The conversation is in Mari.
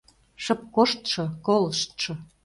Шып коштшо, колыштшо